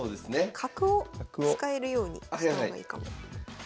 角を使えるようにした方がいいかも。